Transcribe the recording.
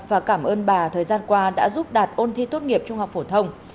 và cảm ơn bà thời gian qua đã giúp đạt ôn thi tốt nghiệp trung học phổ thông